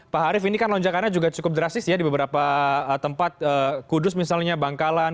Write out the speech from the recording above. pak arief ini kan lonjakannya juga cukup drastis ya di beberapa tempat kudus misalnya bangkalan